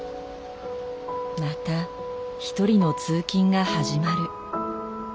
また一人の通勤が始まる。